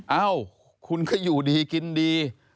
เอ้าคุณก็อยู่ดีกินดี